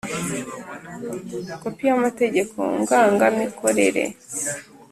Kopi y amategeko ngangamikorere